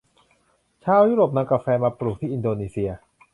ชาวยุโรปนำกาแฟมาปลูกที่อินโดนีเชีย